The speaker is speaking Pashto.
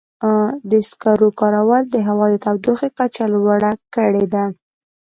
د سکرو کارول د هوا د تودوخې کچه لوړه کړې ده.